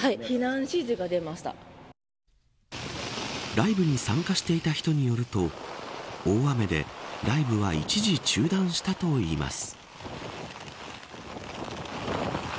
ライブに参加していた人によると大雨で、ライブは一時中断したといいます。